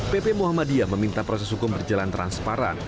pp muhammadiyah meminta proses hukum berjalan transparan